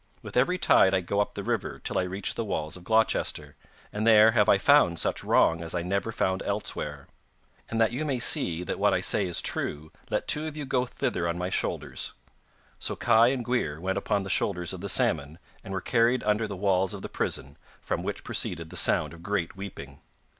With every tide I go up the river, till I reach the walls of Gloucester, and there have I found such wrong as I never found elsewhere. And that you may see that what I say is true let two of you go thither on my shoulders.' So Kai and Gwrhyr went upon the shoulders of the salmon, and were carried under the walls of the prison, from which proceeded the sound of great weeping.